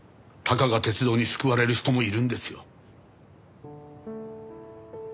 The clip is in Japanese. たかが鉄道に救われる人もいるんですよ。